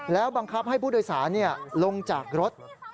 แล้วบังคับให้ผู้โดยสารลงจากรถ